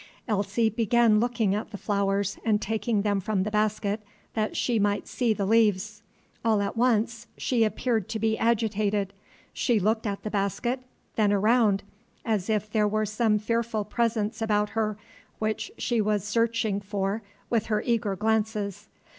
Elsie began looking at the flowers, and taking them from the basket, that she might see the leaves. All at once she appeared to be agitated; she looked at the basket, then around, as if there were some fearful presence about her which she was searching for with her eager glances.